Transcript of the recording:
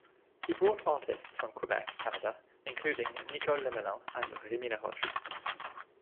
He brought artists from Quebec, Canada, including Nicole Lemelin and Remi LaRoche.